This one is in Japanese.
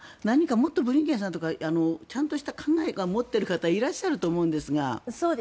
何かもっとブリンケンさんとかちゃんとした考えを持っている方いらっしゃると思うんですが。